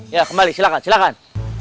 ya kembali silahkan silahkan